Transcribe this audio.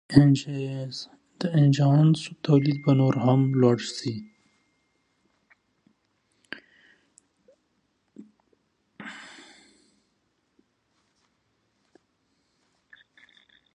د اجناسو تولید به نور هم لوړ سي.